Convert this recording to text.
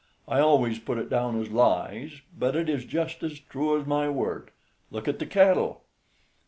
I always put it down as lies, but it is just as true as my word. Look at the cattle."